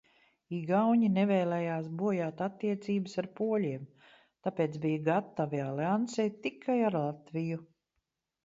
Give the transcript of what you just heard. Igauņi nevēlējās bojāt attiecības ar poļiem, tāpēc bija gatavi aliansei tikai ar Latviju.